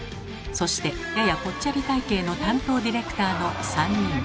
そしてややぽっちゃり体型の担当ディレクターの３人。